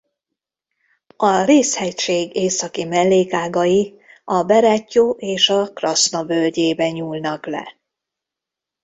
A Réz-hegység északi mellékágai a Berettyó és a Kraszna völgyébe nyúlnak le.